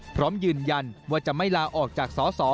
พร้อมยืนยันว่าจะไม่ลาออกจากสส